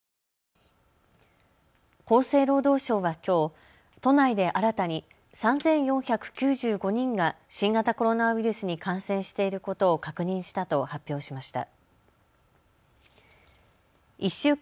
厚生労働省はきょう都内で新たに３４９５人が新型コロナウイルスに感染していることを確認したと発表しました。